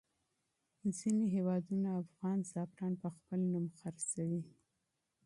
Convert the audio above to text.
ځینې هېوادونه افغان زعفران په خپل نوم خرڅوي.